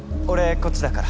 こっちだから。